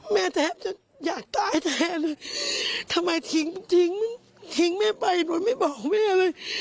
แทบจะอยากตายแท้เลยทำไมทิ้งทิ้งแม่ไปโดยไม่บอกแม่เลย